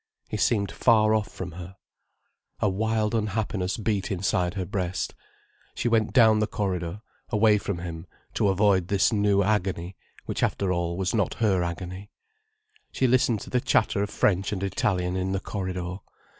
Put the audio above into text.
He seemed far off from her. A wild unhappiness beat inside her breast. She went down the corridor, away from him, to avoid this new agony, which after all was not her agony. She listened to the chatter of French and Italian in the corridor.